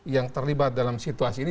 yang terlibat dalam situasi ini